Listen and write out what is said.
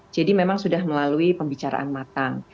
jadi memang sudah melalui pembicaraan matang